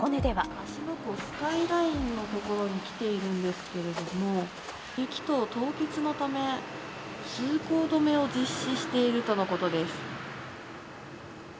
芦ノ湖スカイラインの所に来ているんですけれども雪と凍結のため通行止めを実施しているとのことです。